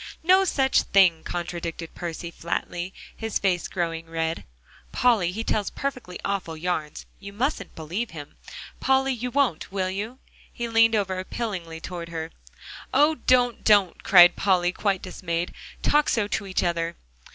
"No such thing," contradicted Percy flatly, his face growing red. "Polly, he tells perfectly awful yarns. You mustn't believe him, Polly, You won't, will you?" He leaned over appealingly toward her. "Oh! don't, don't," cried Polly, quite dismayed, "talk so to each other."